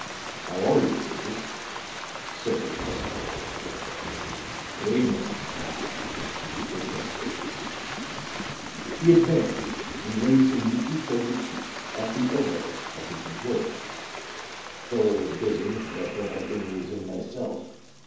"How are you, Burgess?" said the investigator. "Good evening," returned Burgess. He advanced and laid some neatly folded sheets at the elbow of his employer. "Fuller was busy and I thought I'd bring these in myself.